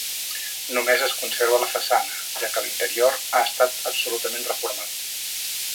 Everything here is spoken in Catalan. Només es conserva la façana, ja que l'interior ha estat absolutament reformat.